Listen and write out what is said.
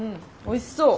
おいしそう。